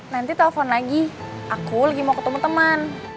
nanti telepon lagi aku lagi mau ketemu teman